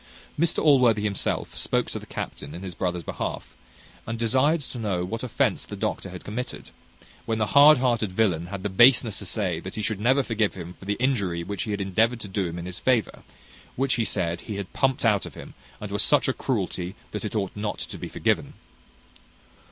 Mr Allworthy himself spoke to the captain in his brother's behalf, and desired to know what offence the doctor had committed; when the hard hearted villain had the baseness to say that he should never forgive him for the injury which he had endeavoured to do him in his favour; which, he said, he had pumped out of him, and was such a cruelty that it ought not to be forgiven.